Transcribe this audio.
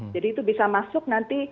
jadi itu bisa masuk nanti